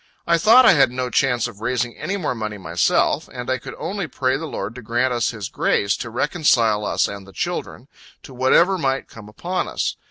I thought I had no chance of raising any more money myself, and I could only pray the Lord to grant us His grace, to reconcile us and the children, to whatever might come upon us.